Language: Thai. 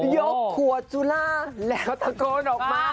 ยกขวดจุฬาและก็ตะโกนออกมา